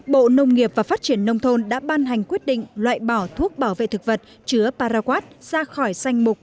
bộ nông nghiệp và phát triển nông thôn đã ban hành quyết định loại bỏ thuốc bảo vệ thực vật chứa paraquat ra khỏi danh mục